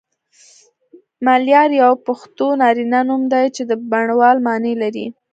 ملیار یو پښتو نارینه نوم دی چی د بڼوال معنی لری